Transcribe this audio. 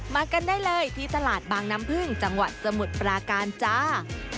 มากันได้เลยที่ตลาดบางน้ำพึ่งจังหวัดสมุทรปราการจ้า